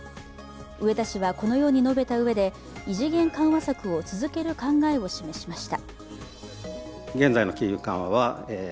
植田氏はこのように述べた上で、異次元緩和策を続ける考えを示しました。